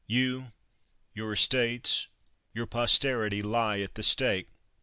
You, your estates, your posterity, lie at the stake